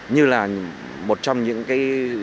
như là một trong những cái